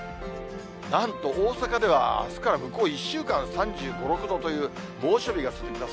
なんと大阪ではあすから向こう１週間、３５、６度という猛暑日が続きます。